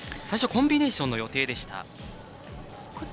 最初はコンビネーションの予定でした。